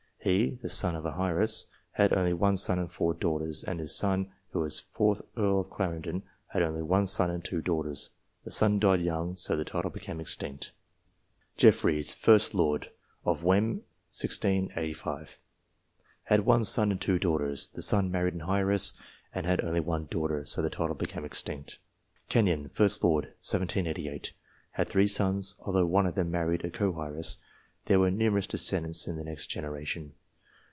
He (the son of an heiress) had only one son and four daughters, and this son, who was 4th Earl of Clarendon, had only one son and two daughters. The son died young, so the title became extinct. Jeffreys, 1st Lord (of Wem 1685). Had one son and two daughters. The son married an heiress, and had only one daughter, so the title became extinct. Kenyon, 1st Lord (1788). Had three sons. Although one of them married a co heiress, there were numerous descendants in the next generation.